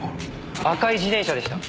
赤い自転車でした。